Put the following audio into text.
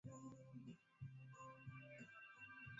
kwa miguu au kwa kupanda wanyama Kama vile farasi ngamiampunda